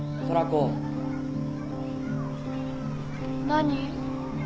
何？